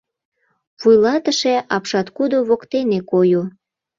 — Вуйлатыше апшаткудо воктене койо.